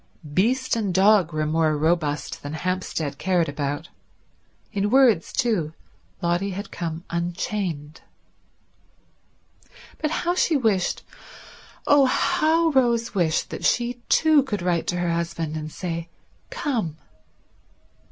Beast and dog were more robust than Hampstead cared about. In words, too, Lotty had come unchained. But how she wished, oh how Rose wished, that she too could write to her husband and say "Come."